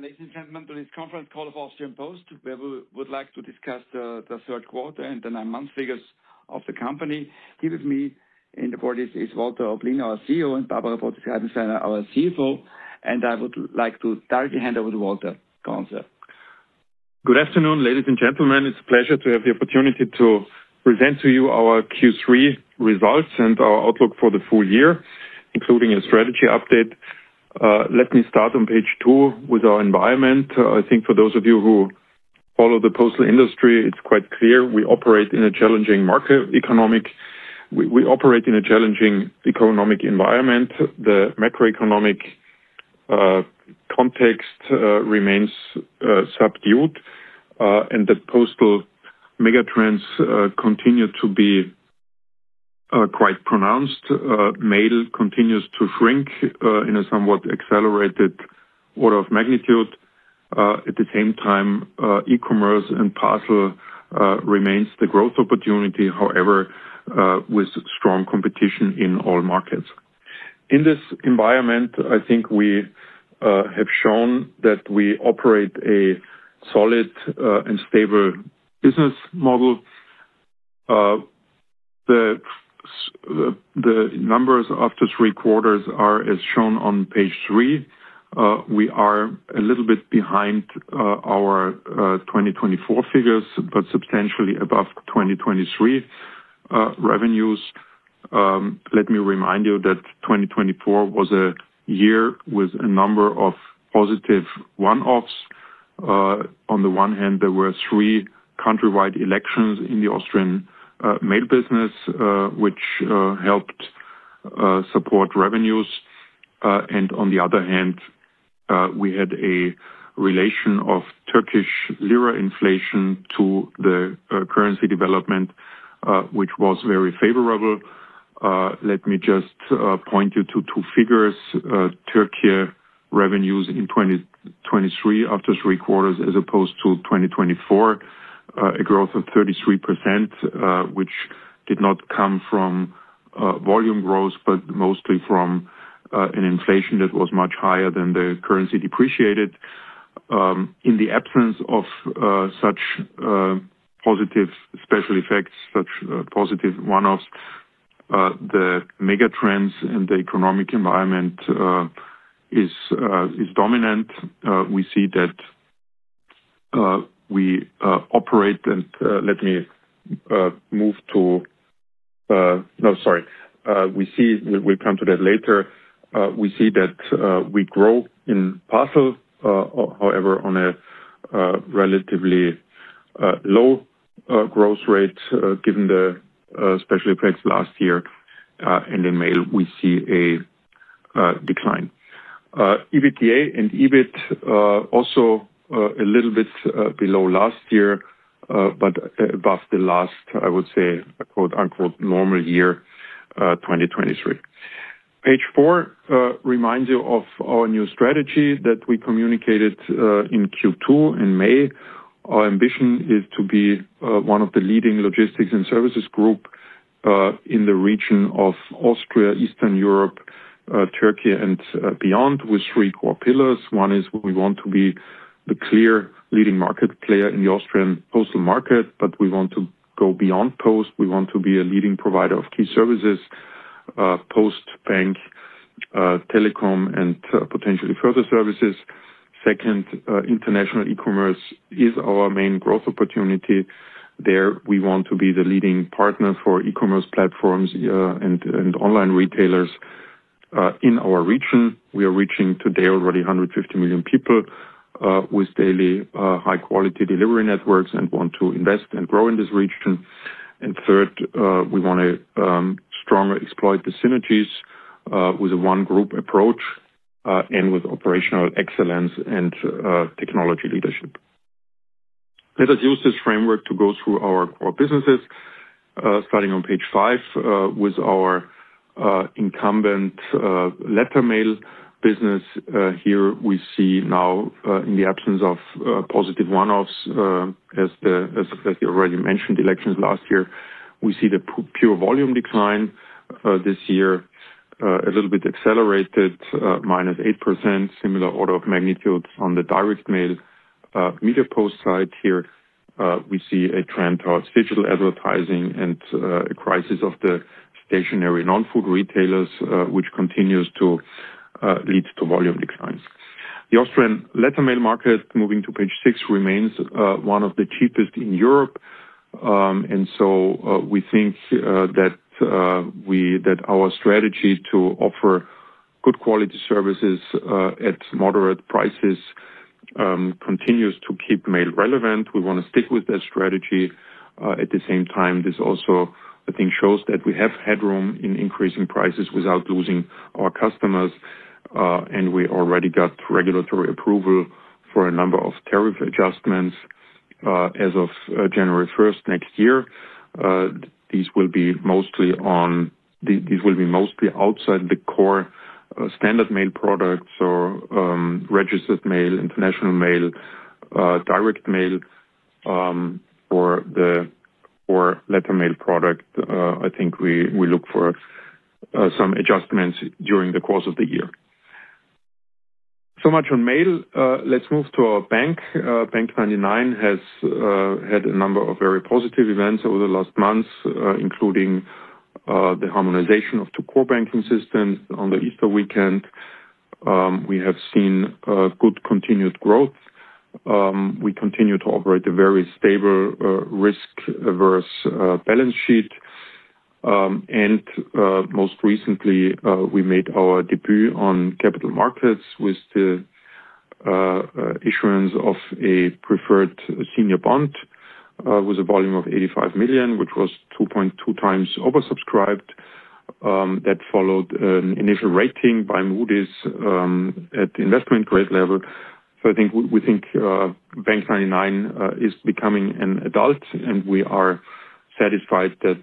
Welcome, ladies and gentlemen, to this conference call of Austrian Post, where we would like to discuss the third quarter and the nine-month figures of the company. Here with me in the board is Walter Oblin, our CEO, and Barbara Potisk-Eibensteiner, our CFO. I would like to directly hand over to Walter. Go on, sir. Good afternoon, ladies and gentlemen. It's a pleasure to have the opportunity to present to you our Q3 results and our outlook for the full year, including a strategy update. Let me start on page two with our environment. I think for those of you who follow the postal industry, it's quite clear we operate in a challenging economic environment. The macroeconomic context remains subdued, and the postal megatrends continue to be quite pronounced. Mail continues to shrink in a somewhat accelerated order of magnitude. At the same time, e-commerce and parcel remains the growth opportunity, however, with strong competition in all markets. In this environment, I think we have shown that we operate a solid and stable business model. The numbers after three quarters are as shown on page three. We are a little bit behind our 2024 figures, but substantially above 2023 revenues. Let me remind you that 2024 was a year with a number of positive one-offs. On the one hand, there were three countrywide elections in the Austrian mail business, which helped support revenues. On the other hand, we had a relation of Turkish lira inflation to the currency development, which was very favorable. Let me just point you to two figures. Türkiye revenues in 2023 after three quarters, as opposed to 2024, a growth of 33%, which did not come from volume growth, but mostly from an inflation that was much higher than the currency depreciated. In the absence of such positive special effects, such positive one-offs, the megatrends, and the economic environment is dominant. We see that we operate, and let me move to—no, sorry, we see—we'll come to that later. We see that we grow in parcel, however, on a relatively low growth rate given the special effects last year. In mail, we see a decline. EBITDA and EBIT also a little bit below last year, but above the last, I would say, "normal" year, 2023. Page four reminds you of our new strategy that we communicated in Q2 in May. Our ambition is to be one of the leading logistics and services groups in the region of Austria, Eastern Europe, Türkiye, and beyond, with three core pillars. One is we want to be the clear leading market player in the Austrian postal market, but we want to go beyond post. We want to be a leading provider of key services: post, bank, telecom, and potentially further services. Second, international e-commerce is our main growth opportunity. There, we want to be the leading partner for e-commerce platforms and online retailers in our region. We are reaching today already 150 million people with daily high-quality delivery networks. and want to invest and grow in this region. Third, we want to strongly exploit the synergies with a one-group approach and with operational excellence and technology leadership. Let us use this framework to go through our core businesses. Starting on page five with our incumbent letter mail business, here we see now, in the absence of positive one-offs, as you already mentioned, elections last year, we see the pure volume decline this year, a little bit accelerated, minus 8%, similar order of magnitude on the direct mail. Media post side here, we see a trend towards digital advertising and a crisis of the stationery non-food retailers, which continues to lead to volume declines. The Austrian letter mail market, moving to page six, remains one of the cheapest in Europe. We think that our strategy to offer good quality services at moderate prices continues to keep mail relevant. We want to stick with that strategy. At the same time, this also, I think, shows that we have headroom in increasing prices without losing our customers. We already got regulatory approval for a number of tariff adjustments as of January 1st next year. These will be mostly outside the core standard mail products or registered mail, international mail, direct mail, or letter mail product. I think we look for some adjustments during the course of the year. So much on mail. Let's move to our bank. Bank99 has had a number of very positive events over the last months, including the harmonization of two core banking systems on the Easter weekend. We have seen good, continued growth. We continue to operate a very stable, risk-averse balance sheet. Most recently, we made our debut on capital markets with the issuance of a preferred senior bond with a volume of 85 million, which was 2.2 times oversubscribed. That followed an initial rating by Moody's at the investment grade level. I think we think bank99 is becoming an adult, and we are satisfied that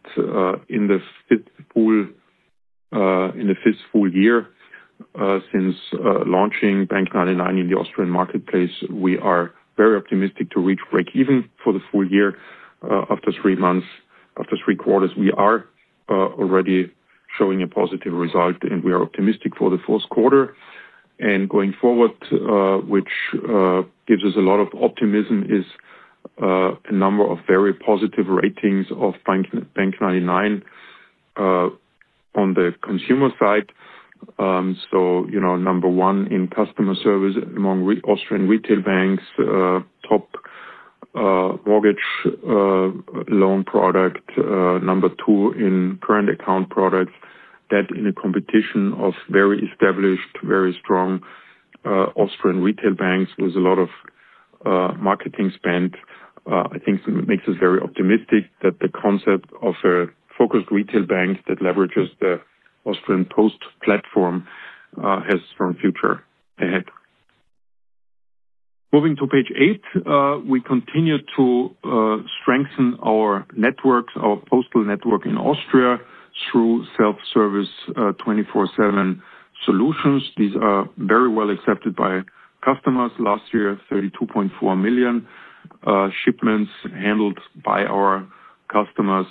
in the fifth full year since launching bank99 in the Austrian marketplace, we are very optimistic to reach break-even for the full year. After three months, after three quarters, we are already showing a positive result, and we are optimistic for the fourth quarter. Going forward, which gives us a lot of optimism, is a number of very positive ratings of bank99 on the consumer side. Number one in customer service among Austrian retail banks, top mortgage loan product, number two in current account products. That, in a competition of very established, very strong Austrian retail banks with a lot of marketing spend, I think, makes us very optimistic that the concept of a focused retail bank that leverages the Austrian Post platform has a strong future ahead. Moving to page eight, we continue to strengthen our networks, our postal network in Austria, through self-service 24/7 solutions. These are very well accepted by customers. Last year, 32.4 million shipments handled by our customers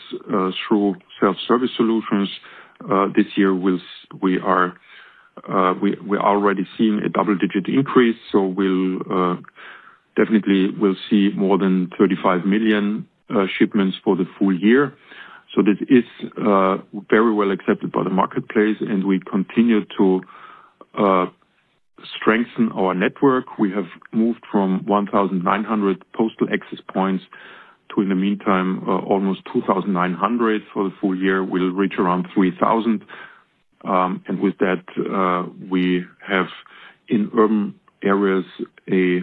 through self-service solutions. This year, we are already seeing a double-digit increase, so definitely we'll see more than 35 million shipments for the full year. This is very well accepted by the marketplace, and we continue to strengthen our network. We have moved from 1,900 postal access points to, in the meantime, almost 2,900 for the full year. We will reach around 3,000. With that, we have in urban areas a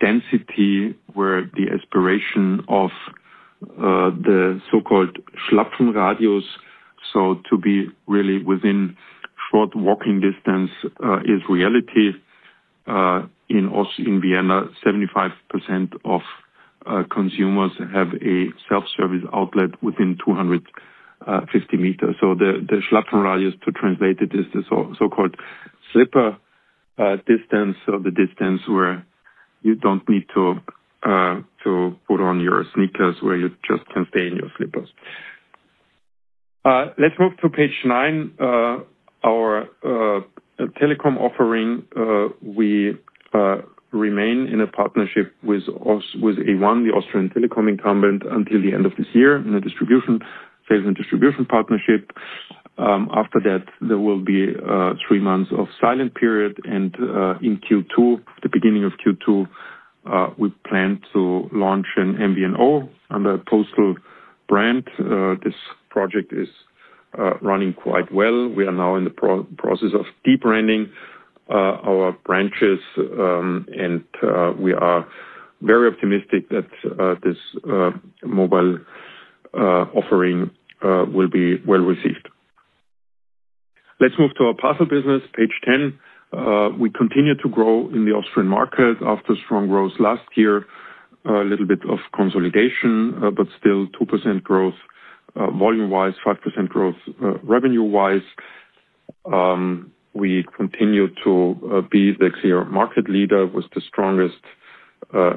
density where the aspiration of the so-called Schlapfenradius, to be really within short walking distance, is reality. In Vienna, 75% of consumers have a self-service outlet within 250 meters. The Schlapfenradius, to translate it, is the so-called slipper distance, the distance where you do not need to put on your sneakers, where you just can stay in your slippers. Let's move to page nine. Our telecom offering, we remain in a partnership with A1, the Austrian telecom incumbent, until the end of this year in a sales and distribution partnership. After that, there will be three months of silent period. In Q2, the beginning of Q2, we plan to launch an MVNO under a postal brand. This project is running quite well. We are now in the process of de-branding our branches, and we are very optimistic that this mobile offering will be well-received. Let's move to our parcel business, page 10. We continue to grow in the Austrian market after strong growth last year, a little bit of consolidation, but still 2% growth volume-wise, 5% growth revenue-wise. We continue to be the clear market leader with the strongest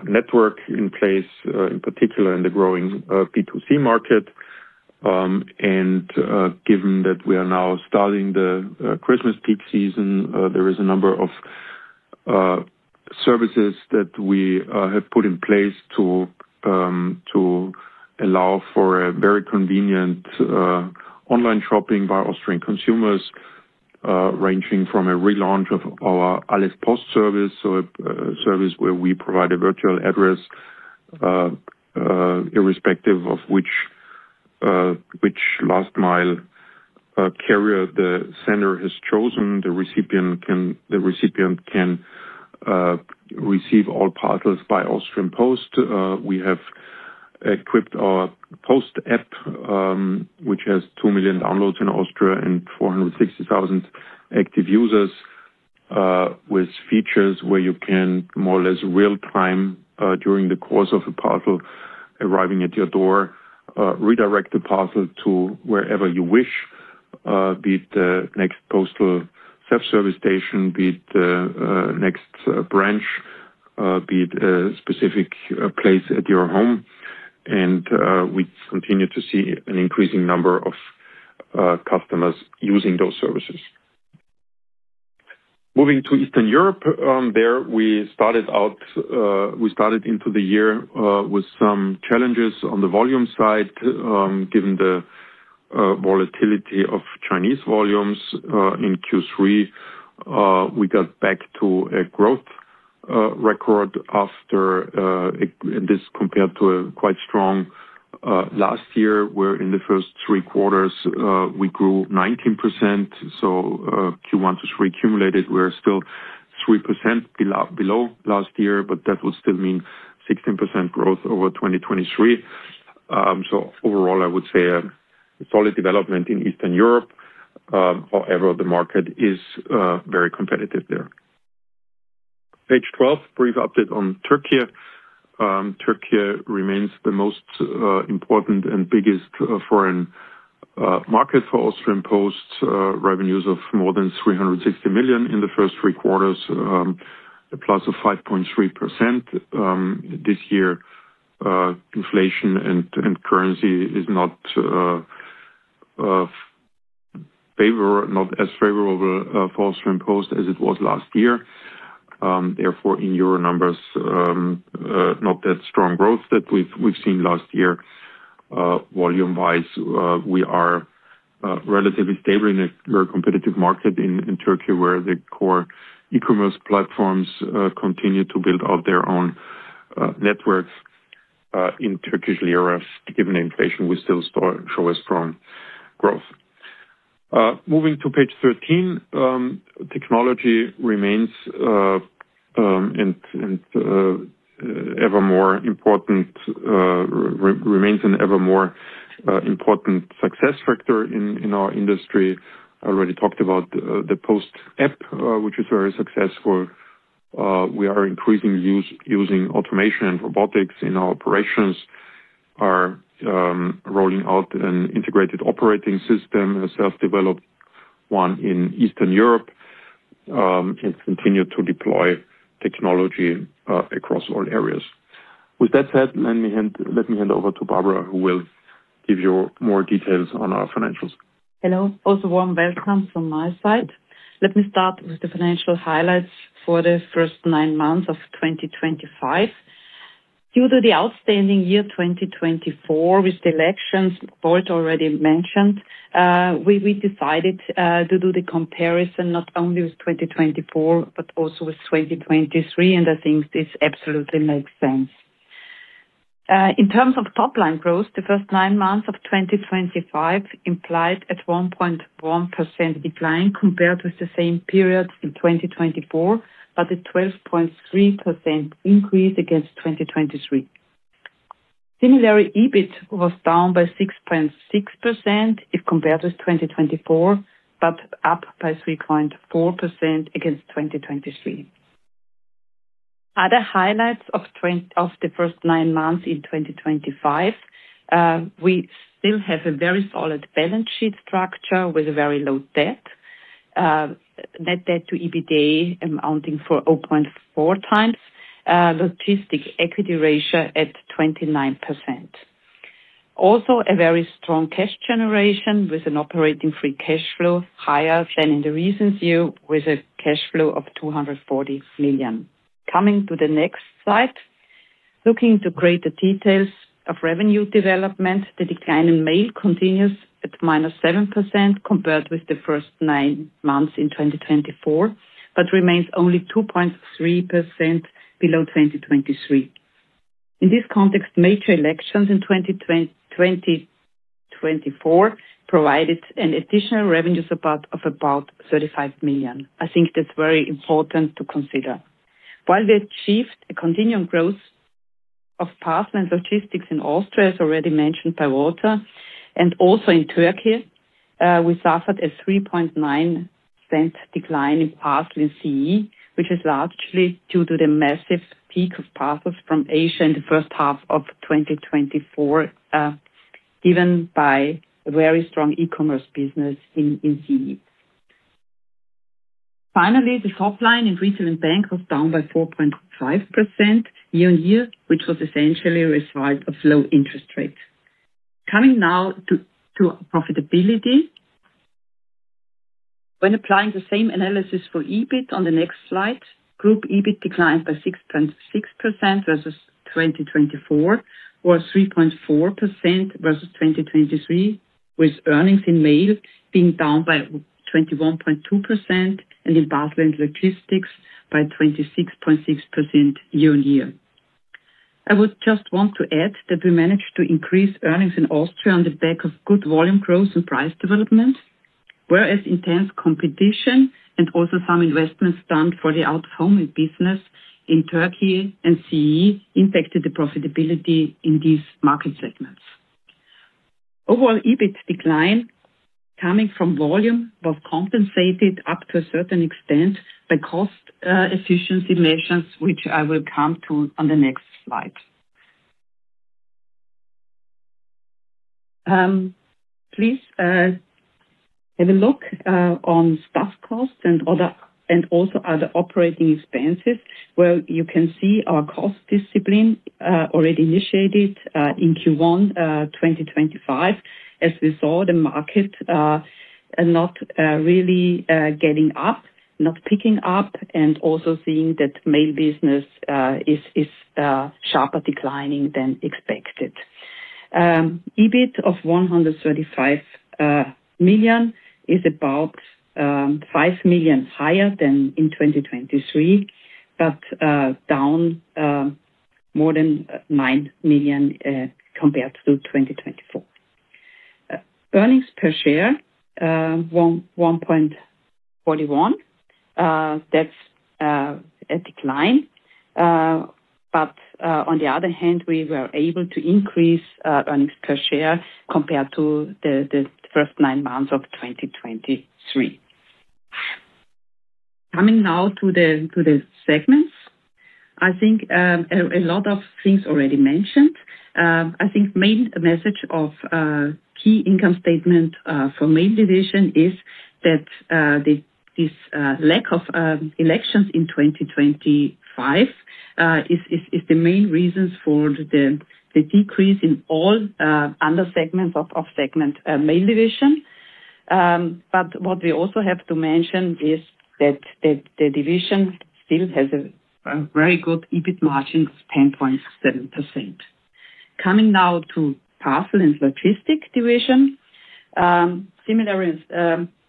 network in place, in particular in the growing B2C market. Given that we are now starting the Christmas peak season, there is a number of services that we have put in place to allow for a very convenient online shopping by Austrian consumers, ranging from a relaunch of our Alles Post service, so a service where we provide a virtual address, irrespective of which last-mile carrier the sender has chosen. The recipient can receive all parcels by Austrian Post. We have equipped our Post app, which has 2 million downloads in Austria and 460,000 active users, with features where you can more or less real-time, during the course of a parcel arriving at your door, redirect the parcel to wherever you wish, be it the next postal self-service station, be it the next branch, be it a specific place at your home. We continue to see an increasing number of customers using those services. Moving to Eastern Europe, there, we started out, we started into the year with some challenges on the volume side. Given the volatility of Chinese volumes in Q3, we got back to a growth record after this, compared to a quite strong last year, where in the first three quarters, we grew 19%. Q1 to Q3 cumulated, we're still 3% below last year, but that would still mean 16% growth over 2023. Overall, I would say a solid development in Eastern Europe. However, the market is very competitive there. Page 12, brief update on Türkiye. Türkiye remains the most important and biggest foreign market for Austrian Post, revenues of more than 360 million in the first three quarters, a plus of 5.3%. This year, inflation and currency is not as favorable for Austrian Post as it was last year. Therefore, in EUR numbers, not that strong growth that we've seen last year. Volume-wise, we are relatively stable in a very competitive market in Türkiye, where the core e-commerce platforms continue to build out their own networks in Turkish Lira. Given the inflation, we still show a strong growth. Moving to page 13, technology remains ever more important, remains an ever more important success factor in our industry. I already talked about the Post app, which is very successful. We are increasingly using automation and robotics in our operations, are rolling out an integrated operating system, a self-developed one in Eastern Europe, and continue to deploy technology across all areas. With that said, let me hand over to Barbara, who will give you more details on our financials. Hello. Also warm welcome from my side. Let me start with the financial highlights for the first nine months of 2025. Due to the outstanding year 2024, with the elections, Bolt already mentioned, we decided to do the comparison not only with 2024, but also with 2023. I think this absolutely makes sense. In terms of top-line growth, the first nine months of 2025 implied a 1.1% decline compared with the same period in 2024, but a 12.3% increase against 2023. Similarly, EBIT was down by 6.6% if compared with 2024, but up by 3.4% against 2023. Other highlights of the first nine months in 2025, we still have a very solid balance sheet structure with a very low debt, net debt to EBITDA amounting for 0.4 times, logistic equity ratio at 29%. Also, a very strong cash generation with an operating free cash flow higher than in the recent year, with a cash flow of 240 million. Coming to the next slide, looking to greater details of revenue development, the decline in mail continues at -7% compared with the first nine months in 2024, but remains only 2.3% below 2023. In this context, major elections in 2024 provided an additional revenue support of about 35 million. I think that's very important to consider. While we achieved a continuing growth of parcels and logistics in Austria, as already mentioned by Walter, and also in Türkiye, we suffered a 3.9% decline in parcels in CE, which is largely due to the massive peak of parcels from Asia in the first half of 2024, given by a very strong e-commerce business in CE. Finally, the top line in retail and bank was down by 4.5% year-on-year, which was essentially a result of low interest rates. Coming now to profitability, when applying the same analysis for EBIT on the next slide, group EBIT declined by 6.6% versus 2024, or 3.4% versus 2023, with earnings in mail being down by 21.2% and in parcels and logistics by 26.6% year-on-year. I would just want to add that we managed to increase earnings in Austria on the back of good volume growth and price development, whereas intense competition and also some investments done for the out-of-home business in Türkiye and CE impacted the profitability in these market segments. Overall, EBIT decline coming from volume was compensated up to a certain extent by cost efficiency measures, which I will come to on the next slide. Please have a look on staff costs and also other operating expenses, where you can see our cost discipline already initiated in Q1 2025, as we saw the market not really getting up, not picking up, and also seeing that mail business is sharper declining than expected. EBIT of 135 million is about 5 million higher than in 2023, but down more than 9 million compared to 2024. Earnings per share, 1.41, that's a decline. On the other hand, we were able to increase earnings per share compared to the first nine months of 2023. Coming now to the segments, I think a lot of things already mentioned. I think the main message of key income statement for mail division is that this lack of elections in 2025 is the main reason for the decrease in all under-segments of segment mail division. What we also have to mention is that the division still has a very good EBIT margin of 10.7%. Coming now to parcel and logistics division, similarly,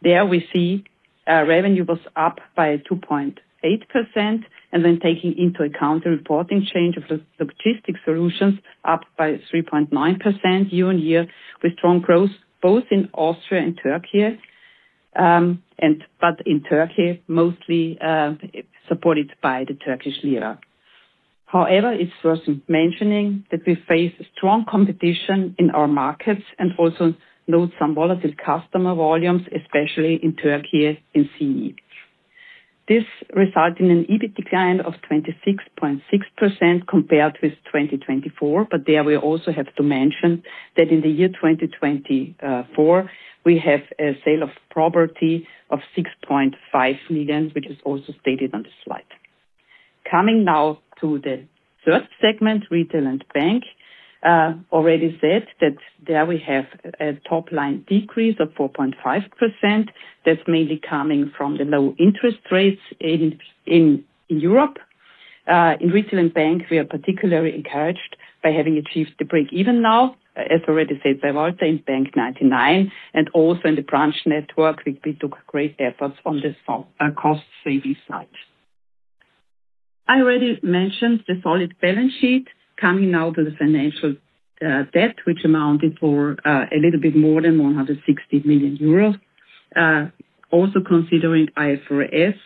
there we see revenue was up by 2.8%, and then taking into account the reporting change of logistics solutions, up by 3.9% year-on-year, with strong growth both in Austria and Türkiye, but in Türkiye, mostly supported by the Turkish Lira. However, it's worth mentioning that we face strong competition in our markets and also note some volatile customer volumes, especially in Türkiye and CE. This resulted in an EBIT decline of 26.6% compared with 2024, but there we also have to mention that in the year 2024, we have a sale of property of 6.5 million, which is also stated on the slide. Coming now to the third segment, retail and bank, already said that there we have a top-line decrease of 4.5%. That's mainly coming from the low interest rates in Europe. In retail and bank, we are particularly encouraged by having achieved the break-even now, as already said by Walter in bank99, and also in the branch network, we took great efforts on the cost savings side. I already mentioned the solid balance sheet. Coming now to the financial debt, which amounted for a little bit more than 160 million euros. Also considering IFRS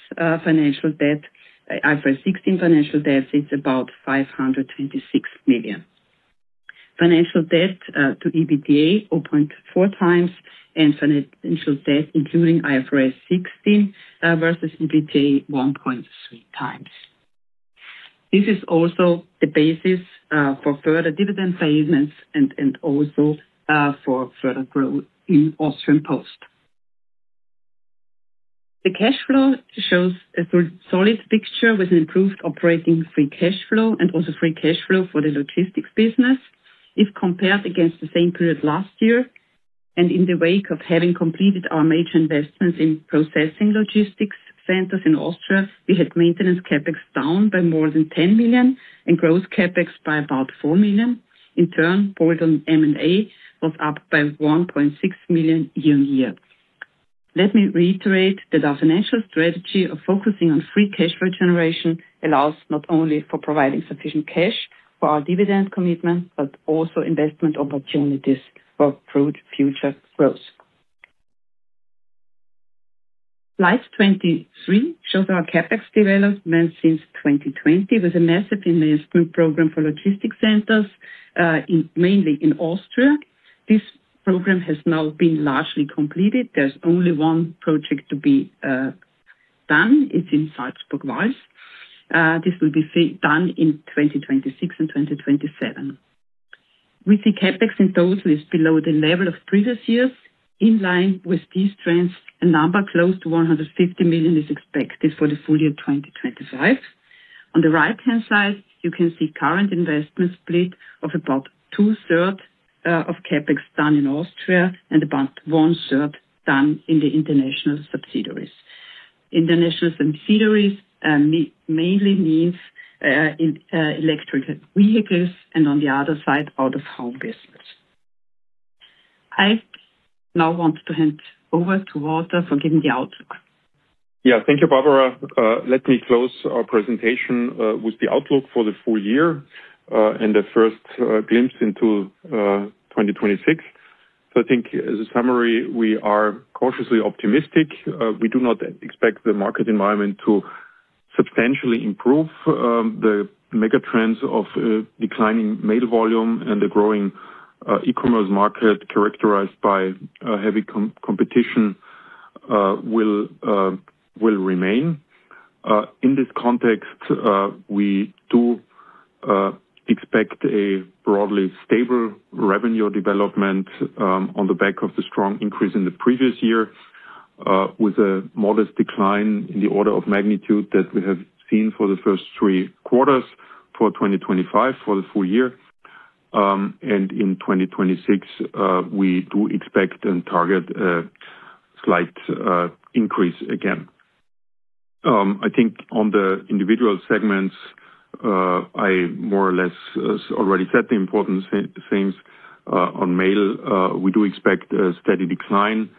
financial debt, IFRS 16 financial debt, it's about 526 million. Financial debt to EBITDA, 0.4 times, and financial debt, including IFRS 16 versus EBITDA, 1.3 times. This is also the basis for further dividend payments and also for further growth in Austrian Post. The cash flow shows a solid picture with an improved operating free cash flow and also free cash flow for the logistics business. If compared against the same period last year, and in the wake of having completed our major investments in processing logistics centers in Austria, we had maintenance CapEx down by more than 10 million and gross CapEx by about 4 million. In turn, bolt-on M&A was up by 1.6 million year-on-year. Let me reiterate that our financial strategy of focusing on free cash flow generation allows not only for providing sufficient cash for our dividend commitment, but also investment opportunities for future growth. Slide 23 shows our CapEx development since 2020, with a massive investment program for logistics centers, mainly in Austria. This program has now been largely completed. There is only one project to be done. It is in Salzburg-Wals. This will be done in 2026 and 2027. We see CapEx in totals below the level of previous years. In line with these trends, a number close to 150 million is expected for the full year 2025. On the right-hand side, you can see current investment split of about two-thirds of CapEx done in Austria and about one-third done in the international subsidiaries. International subsidiaries mainly means electric vehicles, and on the other side, out-of-home business. I now want to hand over to Walter for giving the outlook. Yeah, thank you, Barbara. Let me close our presentation with the outlook for the full year and the first glimpse into 2026. I think, as a summary, we are cautiously optimistic. We do not expect the market environment to substantially improve. The megatrends of declining mail volume and the growing e-commerce market, characterized by heavy competition, will remain. In this context, we do expect a broadly stable revenue development on the back of the strong increase in the previous year, with a modest decline in the order of magnitude that we have seen for the first three quarters for 2025, for the full year. In 2026, we do expect and target a slight increase again. I think on the individual segments, I more or less already said the important things. On mail, we do expect a steady decline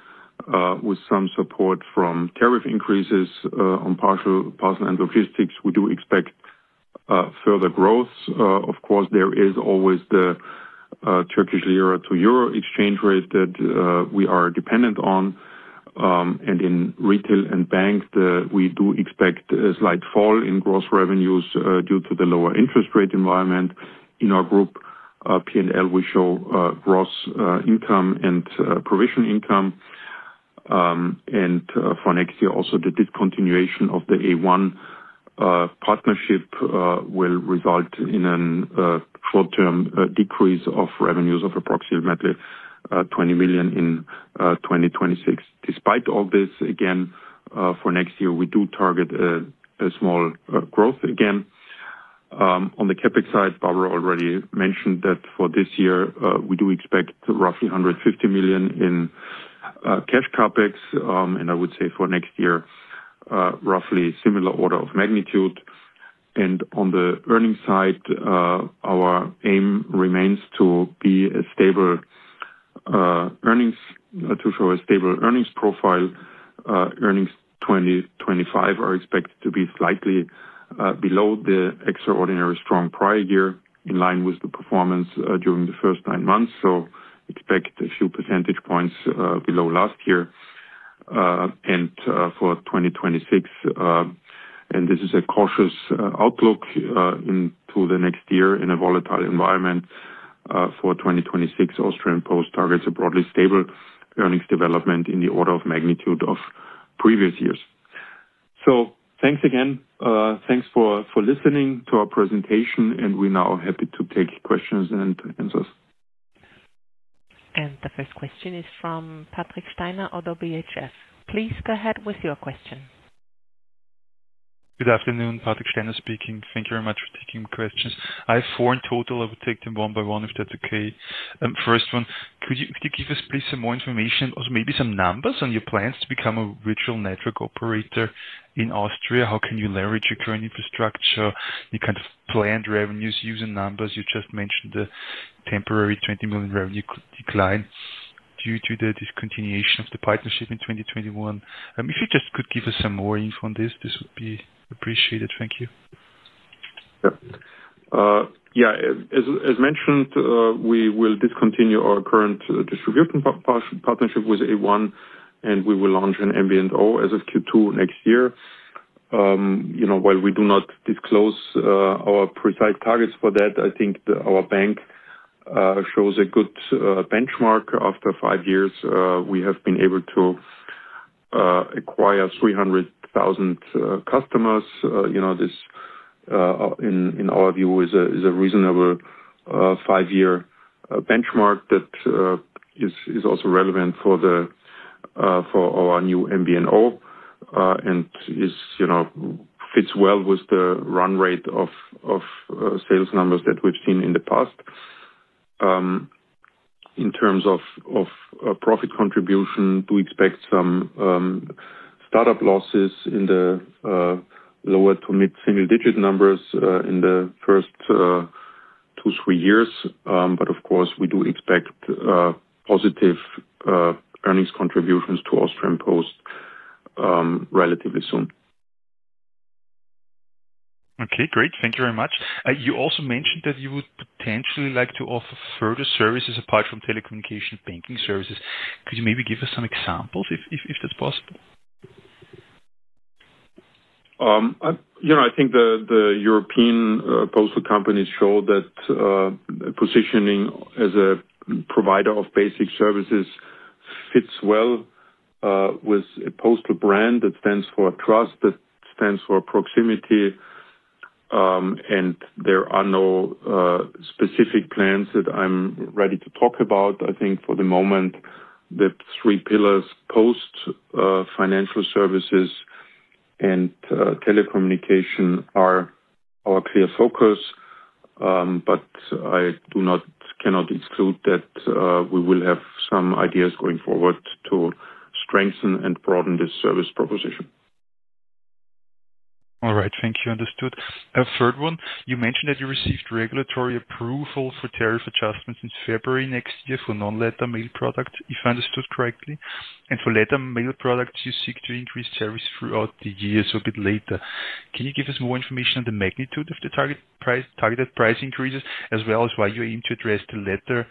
with some support from tariff increases. On parcel and logistics, we do expect further growth. Of course, there is always the Turkish Lira to EUR exchange rate that we are dependent on. In retail and bank, we do expect a slight fall in gross revenues due to the lower interest rate environment. In our group P&L, we show gross income and provision income. For next year, also the discontinuation of the A1 partnership will result in a short-term decrease of revenues of approximately 20 million in 2026. Despite all this, again, for next year, we do target a small growth again. On the CapEx side, Barbara already mentioned that for this year, we do expect roughly 150 million in cash CapEx. I would say for next year, roughly similar order of magnitude. On the earnings side, our aim remains to be a stable earnings, to show a stable earnings profile. Earnings 2025 are expected to be slightly below the extraordinary strong prior year, in line with the performance during the first nine months. Expect a few percentage points below last year and for 2026. This is a cautious outlook into the next year in a volatile environment. For 2026, Austrian Post targets a broadly stable earnings development in the order of magnitude of previous years. Thanks again. Thanks for listening to our presentation. We are now happy to take questions-and-answers. The first question is from Patrick Steiner ODDO BHF. Please go ahead with your question. Good afternoon, Patrick Steiner speaking. Thank you very much for taking my questions. I have four in total. I will take them one by one if that's okay. First one, could you give us please some more information, also maybe some numbers on your plans to become a virtual network operator in Austria? How can you leverage your current infrastructure? The kind of planned revenues using numbers you just mentioned, the temporary 20 million revenue decline due to the discontinuation of the partnership in 2021. If you just could give us some more info on this, this would be appreciated. Thank you. Yeah. As mentioned, we will discontinue our current distribution partnership with A1, and we will launch an MVNO as of Q2 next year. While we do not disclose our precise targets for that, I think our bank shows a good benchmark. After five years, we have been able to acquire 300,000 customers. This, in our view, is a reasonable five-year benchmark that is also relevant for our new MVNO and fits well with the run rate of sales numbers that we've seen in the past. In terms of profit contribution, we expect some startup losses in the lower to mid-single-digit numbers in the first two, three years. Of course, we do expect positive earnings contributions to Austrian Post relatively soon. Okay, great. Thank you very much. You also mentioned that you would potentially like to offer further services apart from telecommunication banking services. Could you maybe give us some examples if that's possible? I think the European postal companies show that positioning as a provider of basic services fits well with a postal brand that stands for trust, that stands for proximity. There are no specific plans that I'm ready to talk about. I think for the moment, the three pillars, post, financial services, and telecommunication, are our clear focus. I cannot exclude that we will have some ideas going forward to strengthen and broaden this service proposition. All right. Thank you. Understood. Third one, you mentioned that you received regulatory approval for tariff adjustments in February next year for non-letter mail products, if I understood correctly. For letter mail products, you seek to increase service throughout the year a bit later. Can you give us more information on the magnitude of the targeted price increases, as well as why you aim to address the letter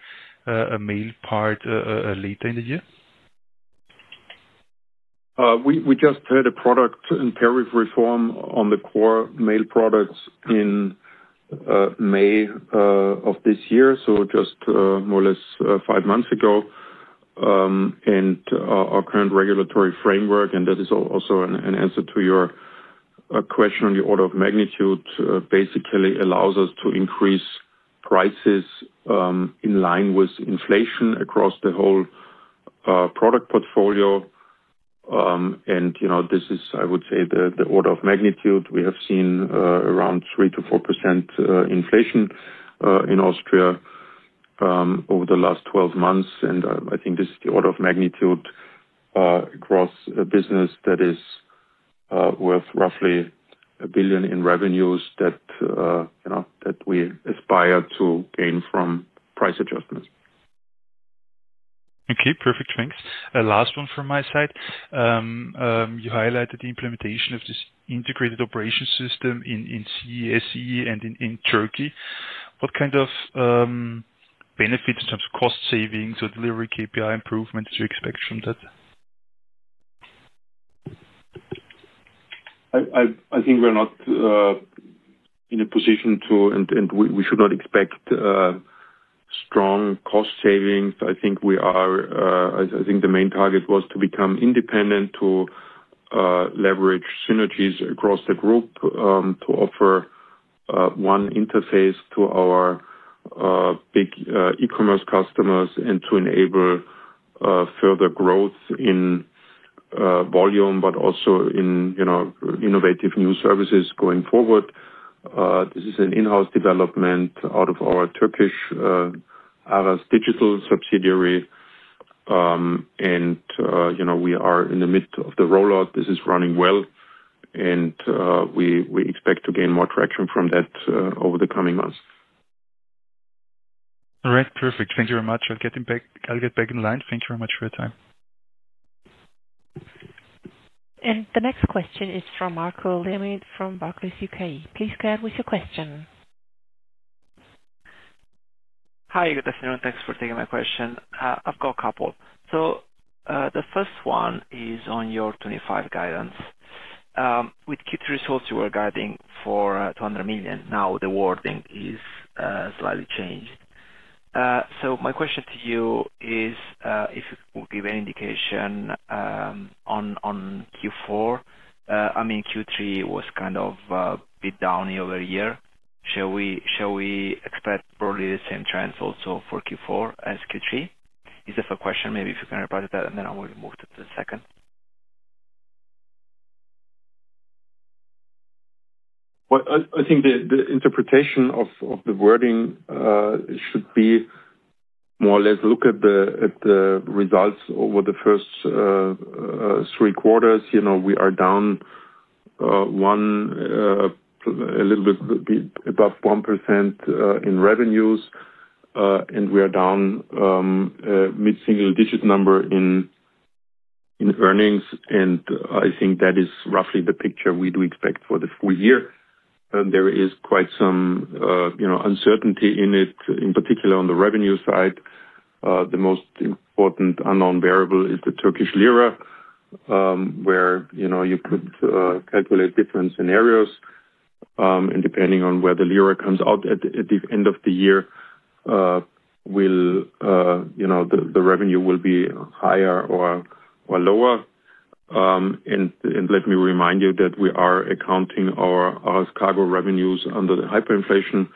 mail part later in the year? We just had a product and tariff reform on the core mail products in May of this year, so just more or less five months ago. Our current regulatory framework, and that is also an answer to your question on the order of magnitude, basically allows us to increase prices in line with inflation across the whole product portfolio. This is, I would say, the order of magnitude. We have seen around 3%-4% inflation in Austria over the last 12 months. I think this is the order of magnitude across a business that is worth roughly 1 billion in revenues that we aspire to gain from price adjustments. Okay, perfect. Thanks. Last one from my side. You highlighted the implementation of this integrated operation system in CE, CE and in Turkey. What kind of benefits in terms of cost savings or delivery KPI improvements do you expect from that? I think we're not in a position to, and we should not expect strong cost savings. I think the main target was to become independent, to leverage synergies across the group, to offer one interface to our big e-commerce customers, and to enable further growth in volume, but also in innovative new services going forward. This is an in-house development out of our Turkish Aras Digital subsidiary. We are in the midst of the rollout. This is running well. We expect to gain more traction from that over the coming months. All right. Perfect. Thank you very much. I'll get back in line. Thank you very much for your time. The next question is from Marco David from Barclays UK. Please go ahead with your question. Hi, good afternoon. Thanks for taking my question. I've got a couple. The first one is on your 2025 guidance. With Q3 results, you were guiding for 200 million. Now the wording is slightly changed. My question to you is, if you could give any indication on Q4, I mean, Q3 was kind of a bit down over a year. Shall we expect probably the same trends also for Q4 as Q3? Is that a question? Maybe if you can reply to that, and then I will move to the second. I think the interpretation of the wording should be more or less look at the results over the first three quarters. We are down a little bit above 1% in revenues, and we are down mid-single-digit number in earnings. I think that is roughly the picture we do expect for the full year. There is quite some uncertainty in it, in particular on the revenue side. The most important unknown variable is the Turkish Lira, where you could calculate different scenarios. Depending on where the lira comes out at the end of the year, the revenue will be higher or lower. Let me remind you that we are accounting our cargo revenues under the hyperinflation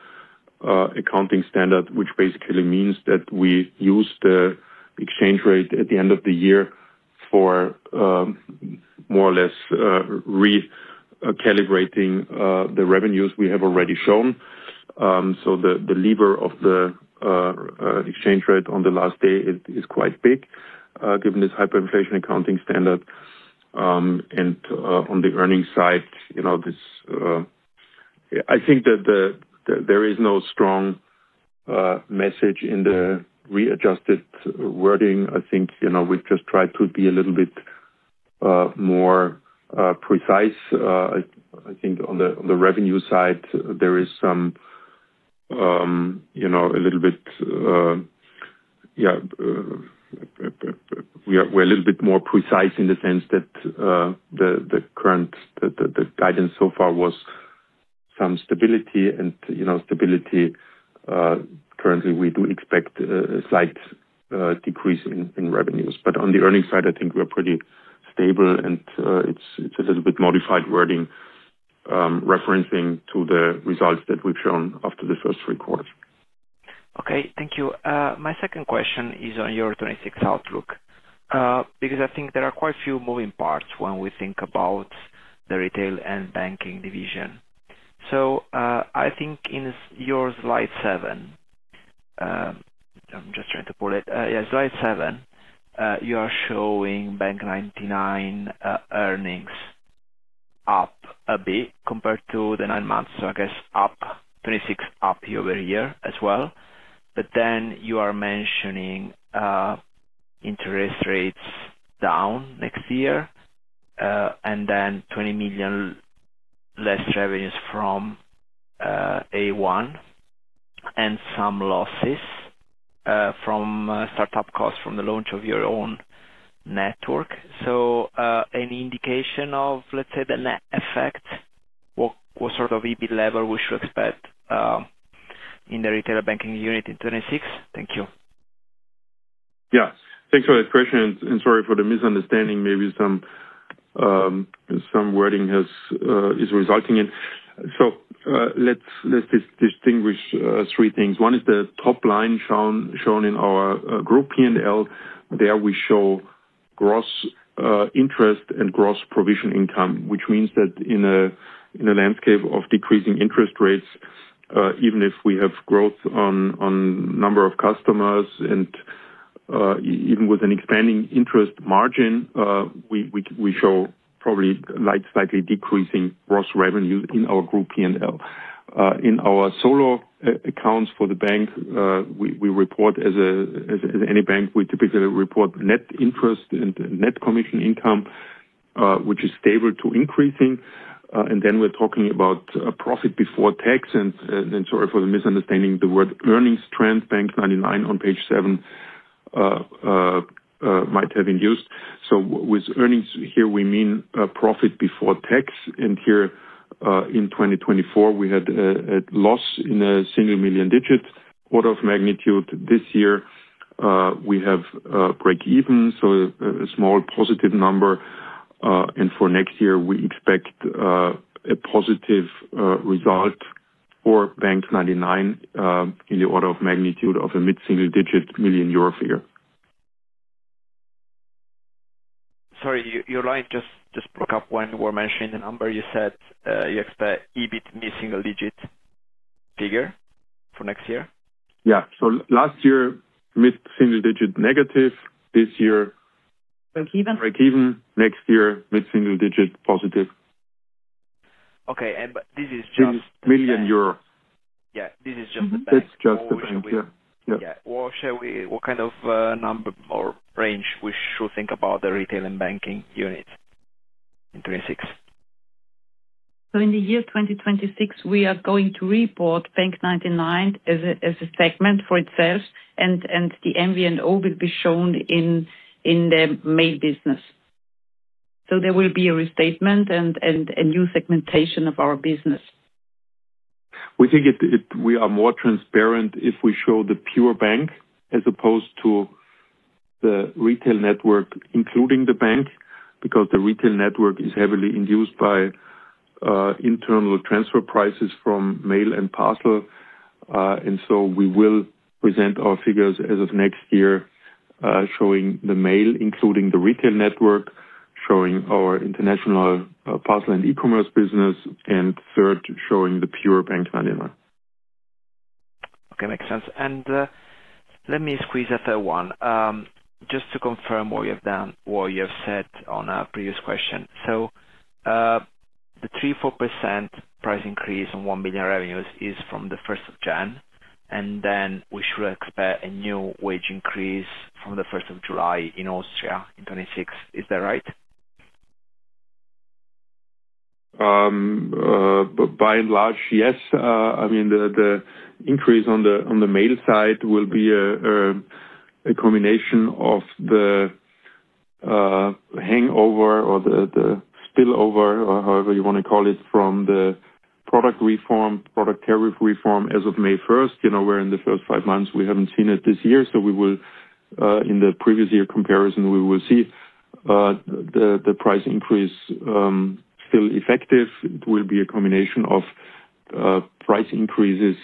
accounting standard, which basically means that we use the exchange rate at the end of the year for more or less recalibrating the revenues we have already shown. The lever of the exchange rate on the last day is quite big, given this hyperinflation accounting standard. On the earnings side, I think that there is no strong message in the readjusted wording. I think we've just tried to be a little bit more precise. I think on the revenue side, there is a little bit, yeah, we're a little bit more precise in the sense that the guidance so far was some stability. Stability, currently, we do expect a slight decrease in revenues. On the earnings side, I think we're pretty stable. It's a little bit modified wording referencing to the results that we've shown after the first three quarters. Okay. Thank you. My second question is on your 2026 outlook because I think there are quite a few moving parts when we think about the retail and banking division. I think in your slide seven, I'm just trying to pull it. Yeah, slide seven, you are showing bank99 earnings up a bit compared to the nine months. I guess 26 million up year-over-year as well. You are mentioning interest rates down next year, and then 20 million less revenues from A1, and some losses from startup costs from the launch of your own network. Any indication of, let's say, the net effect, what sort of EBIT level we should expect in the retail banking unit in 2026? Thank you. Yeah. Thanks for that question. Sorry for the misunderstanding. Maybe some wording is resulting in that. Let's distinguish three things. One is the top line shown in our group P&L. There we show gross interest and gross provision income, which means that in a landscape of decreasing interest rates, even if we have growth on number of customers and even with an expanding interest margin, we show probably slightly decreasing gross revenues in our group P&L. In our solo accounts for the bank, we report as any bank, we typically report net interest and net commission income, which is stable to increasing. Then we're talking about profit before tax. Sorry for the misunderstanding, the word earnings trend, bank99 on page seven, might have induced. With earnings here, we mean profit before tax. Here in 2024, we had a loss in a single million-digit order of magnitude. This year, we have break-even, so a small positive number. For next year, we expect a positive result for bank99 in the order of magnitude of a mid-single-digit million EUR figure. Sorry, your line just broke up when you were mentioning the number. You said you expect EBIT mid-single digit figure for next year? Yeah. Last year, mid-single digit negative. This year, break-even. Break-even. Next year, mid-single digit positive. Okay. This is million EUR. Yeah. This is just the bank. That's just the bank. Yeah. Yeah. What kind of number or range should we think about the retail and banking unit in 2026? In the year 2026, we are going to report bank99 as a segment for itself, and the ambient O will be shown in the main business. There will be a restatement and a new segmentation of our business. We think we are more transparent if we show the pure bank as opposed to the retail network, including the bank, because the retail network is heavily induced by internal transfer prices from mail and parcel. We will present our figures as of next year showing, the mail, including the retail network, showing our international parcel and e-commerce business, and third, showing the pure bank99. Okay. Makes sense. Let me squeeze a third one. Just to confirm what you have said on our previous question. The 3%-4% price increase on 1 million revenues is from the 1st of January. We should expect a new wage increase from the 1st of July in Austria in 2026. Is that right? By and large, yes. I mean, the increase on the mail side will be a combination of the hangover or the spillover, however you want to call it, from the product reform, product tariff reform as of May 1st. We're in the first five months. We haven't seen it this year. In the previous year comparison, we will see the price increase still effective. It will be a combination of price increases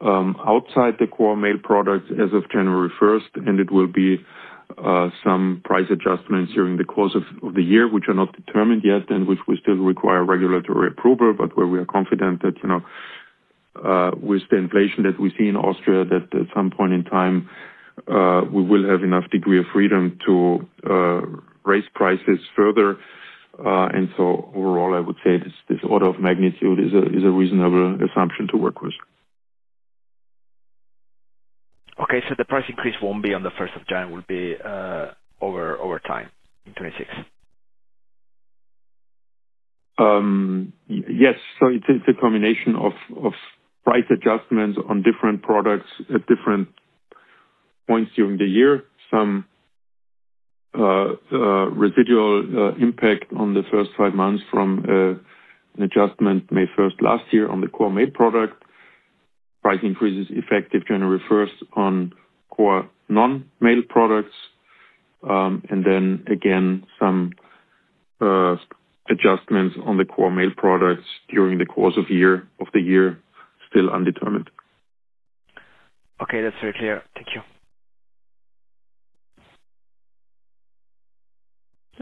outside the core mail product as of January 1st. It will be some price adjustments during the course of the year, which are not determined yet and which will still require regulatory approval, but where we are confident that with the inflation that we see in Austria, at some point in time, we will have enough degree of freedom to raise prices further. Overall, I would say this order of magnitude is a reasonable assumption to work with. Okay. The price increase will not be on the 1st of January, it will be over time in 2026? Yes. It is a combination of price adjustments on different products at different points during the year. Some residual impact on the first five months from an adjustment May 1st last year on the core mail product. Price increase is effective January 1st on core non-mail products. Then again, some adjustments on the core mail products during the course of the year still undetermined. Okay. That is very clear. Thank you.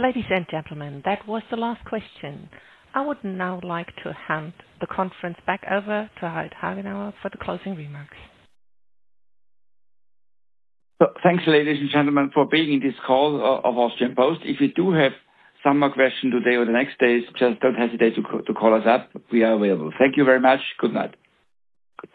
Ladies and gentlemen, that was the last question. I would now like to hand the conference back over to Harald Hagenauer for the closing remarks. Thanks, ladies and gentlemen, for being in this call of Austrian Post. If you do have some more questions today or the next days, just don't hesitate to call us up. We are available. Thank you very much. Good night.